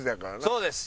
そうです。